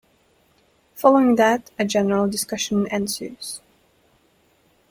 Following that a general discussion ensues.